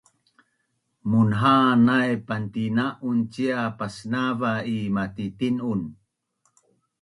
munha’an nap pantina’un cia pasnava’ i matitin’un